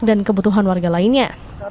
dan kebutuhan warga lainnya